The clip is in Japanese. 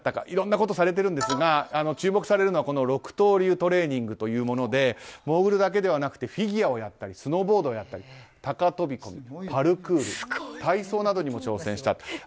いろんなことされてるんですが注目されるのは６刀流トレーニングというものでモーグルだけではなくフィギュアをやったりスノーボードをやったり、高飛込パルクール、体操などにも挑戦した。